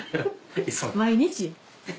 毎日。